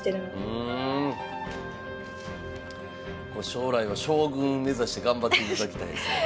将来は将軍目指して頑張っていただきたいですね。